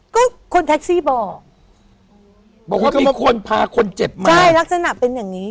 ก็คนแท็กซี่บอกบอกว่ามีคนพาคนเจ็บมาใช่ลักษณะเป็นอย่างนี้